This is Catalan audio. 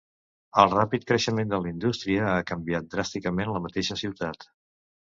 El ràpid creixement de la indústria ha canviat dràsticament la mateixa ciutat.